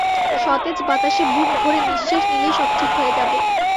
সতেজ বাতাসে বুক ভরে নিঃশ্বাস নিলেই সব ঠিক হয়ে যাবে।